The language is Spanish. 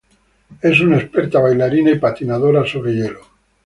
Es una experta bailarina y patinadora sobre hielo.